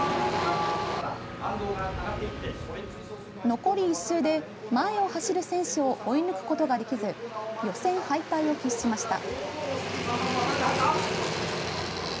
残り１周で、前を走る選手を追い抜くことができず予選敗退を喫しました。